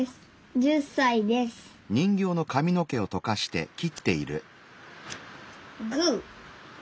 １０歳ですグ！